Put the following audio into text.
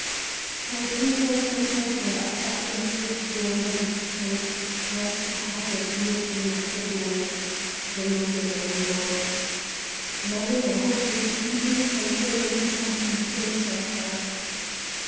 "I think our friends out there are far enough withdrawn, by this time, for us to hazard the opening of the door," the lawyer now remarked. "Madam, I hope you will speedily find your way to some comfortable shelter."